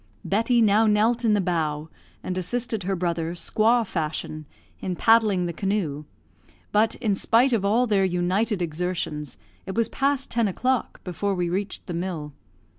Betty now knelt in the bow and assisted her brother, squaw fashion, in paddling the canoe; but, in spite of all their united exertions, it was past ten o'clock before we reached the mill.